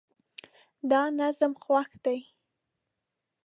دا نظم خوښ دی